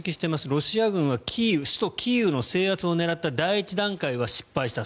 ロシア軍は首都キーウの制圧を狙った第１段階は失敗した。